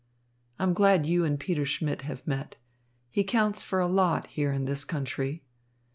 I'm glad you and Peter Schmidt have met. He counts for a lot here in this country.